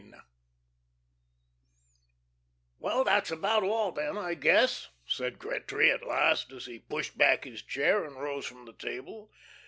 IX "Well, that's about all then, I guess," said Gretry at last, as he pushed back his chair and rose from the table.